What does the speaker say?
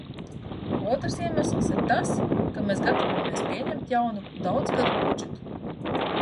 Otrs iemesls ir tas, ka mēs gatavojamies pieņemt jaunu daudzgadu budžetu.